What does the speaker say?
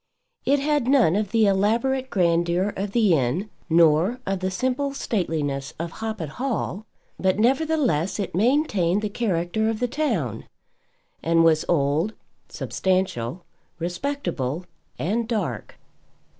It had none of the elaborate grandeur of the inn nor of the simple stateliness of Hoppet Hall, but, nevertheless, it maintained the character of the town and was old, substantial, respectable, and dark.